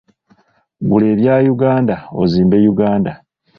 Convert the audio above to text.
Gula ebya Uganda ozimbe Uganda.